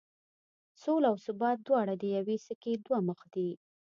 سوله او ثبات دواړه د یوې سکې دوه مخ دي.